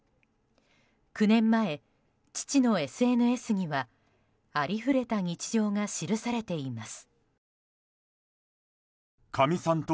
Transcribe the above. ９年前、父のＳＮＳにはありふれた日常が記されています。